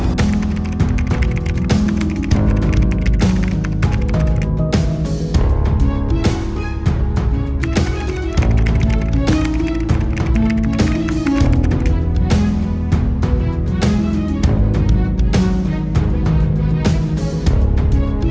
ให้มีชุมชนได้ได้ออกมาแรงด้วย